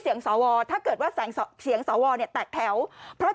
เสียงสวอถ้าเกิดว่าแสงสวอเสียงสวอเนี้ยแตกแถวเพราะ